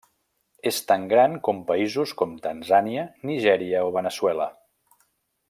És tan gran com països com Tanzània, Nigèria o Veneçuela.